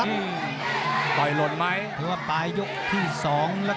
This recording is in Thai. น่าจะเป็น๓นาทีที่เหลือไว้ให้กับทางด้านราชสิงศ์นะครับ